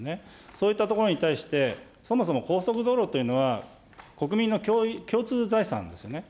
そういったところに対して、そもそも高速道路というのは、国民の共通財産ですよね。